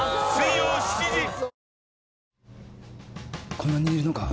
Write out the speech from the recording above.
こんなにいるのか！